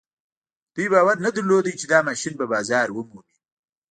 دوی باور نه درلود چې دا ماشين به بازار ومومي.